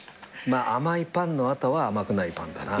「甘いパンの後は甘くないパンだな」